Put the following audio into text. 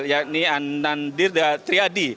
yakni andandir triadi